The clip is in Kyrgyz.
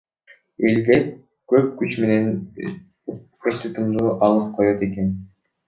Илдет көп күч менен эстутумду алып коёт экен.